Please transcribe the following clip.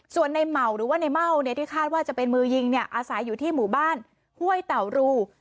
ส่วนในเหมาหรือว่าในเม่าเนี่ยที่คาดว่าจะเป็นมือยิงเนี่ยอาศัยอยู่ที่หมู่บ้านห้วยเต่ารู